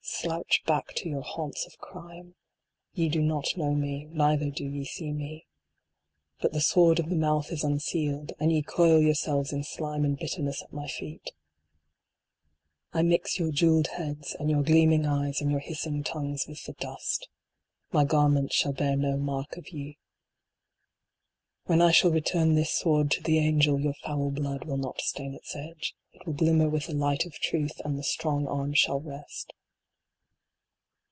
Slouch back to your haunts of crime. Ye do not know me, neither do ye see me. But the sword of the mouth is unsealed, and ye coil yourselves in slime and bitterness at my feet. I mix your jeweled heads, and your gleaming eyes, and your hissing tongues with the dust 22 JUDITH. My garments shall bear no mark of ye. When I shall return this sword to the angel, your foul blood will not stain its edge. It will glimmer with the light of truth, and the strong arm shall rest.